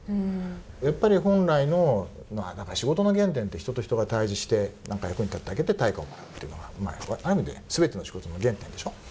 やっぱり本来のまあ何か仕事の原点って人と人が対じして何か役に立ってあげて対価をもらうっていうのはある意味ですべての仕事の原点でしょ。